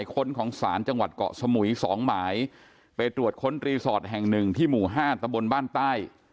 ค้นของศาลจังหวัดเกาะสมุย๒หมายไปตรวจค้นรีสอร์ทแห่งหนึ่งที่หมู่ห้าตะบนบ้านใต้